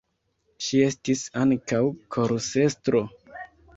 Ŝi estis ankaŭ korusestro.